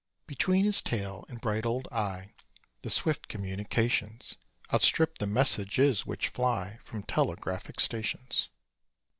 Between his tail and bright old eye The swift communications Outstrip the messages which fly From telegraphic stations.